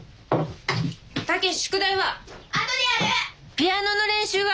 ピアノの練習は？